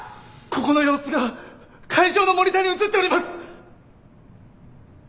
ここの様子が会場のモニターに映っております！